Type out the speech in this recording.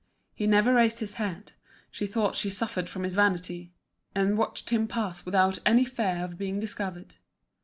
He never raised his head, she thought she suffered from his vanity, and watched him pass without any fear of being discovered.